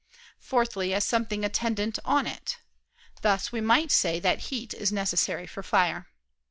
Fourthly, as something attendant on it: thus we might say that heat is necessary for fire.